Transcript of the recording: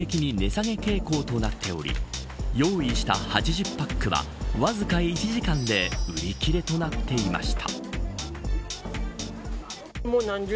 暑さによる豊作で全国的に値下げ傾向となっており用意した８０パックはわずか１時間で売り切れとなっていました。